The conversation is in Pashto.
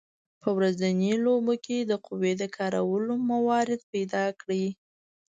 په ورځنیو لوبو کې د قوې د کارولو موارد پیداکړئ.